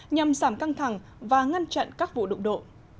nhằm giảm căng thẳng và ngăn chặn các vụ đụng độ